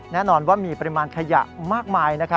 แน่นอนว่ามีปริมาณขยะมากมาย